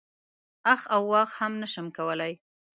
اخ او واخ هم نه شم کولای.